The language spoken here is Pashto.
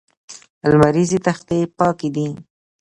لمریزې تختې پاکې دي.